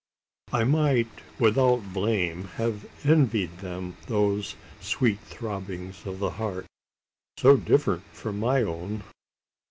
I might, without blame, have envied them those sweet throbbings of the heart, so different from my own.